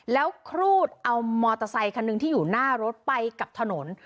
แล้วครูดเอามอเตอร์ไซคันหนึ่งที่อยู่หน้ารถไปกับถนน